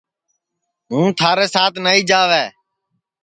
ہوں تھارے سات نائی جاوے